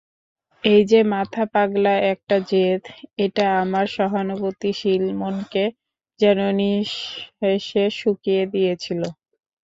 এই যে মাথা-পাগলা একটা জেদ, এটা আমার সহানুভূতিশীল মনকে যেন নিঃশেষে শুকিয়ে দিয়েছিল।